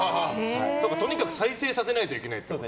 とにかく再生させないといけないから。